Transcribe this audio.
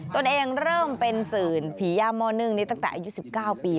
ตัวเองเริ่มเป็นสื่อผีย่าม่อนึ่งนี้ตั้งแต่อายุ๑๙ปี